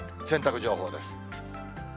洗濯情報です。